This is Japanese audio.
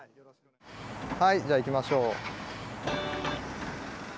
はいじゃあ行きましょう。